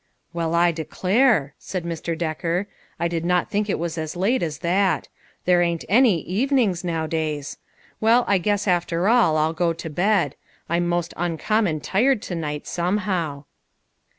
" Well, I declare," said Mr. Decker, " I did not think it was as late as that. There ain't any evenings now days. Well, I guess, after all, I'll go to bed. I'm most uncommon tired to night somehow."